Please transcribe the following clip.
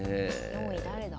４位誰だ？